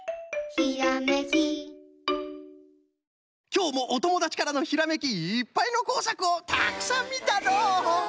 きょうもおともだちからのひらめきいっぱいのこうさくをたくさんみたのう！